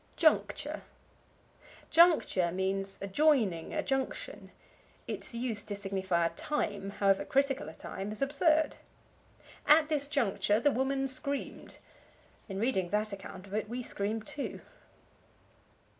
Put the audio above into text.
Juncture. Juncture means a joining, a junction; its use to signify a time, however critical a time, is absurd. "At this juncture the woman screamed." In reading that account of it we scream too.